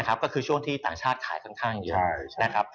ก็คือช่วงที่ต่างชาติขายค่อนข้างเยอะนะครับ